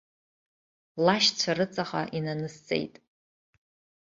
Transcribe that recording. Лашьцәа рыҵаҟа инанысҵеит.